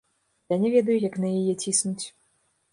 Я не ведаю, як на яе ціснуць.